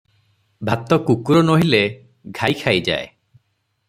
ଭାତ କୁକୁର ନୋହିଲେ ଘାଈ ଖାଇଯାଏ ।